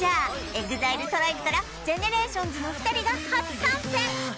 ＥＸＩＬＥＴＲＩＢＥからＧＥＮＥＲＡＴＩＯＮＳの２人が初参戦